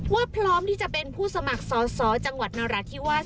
พร้อมที่จะเป็นผู้สมัครสอสอจังหวัดนราธิวาส